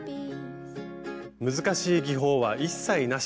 難しい技法は一切なし。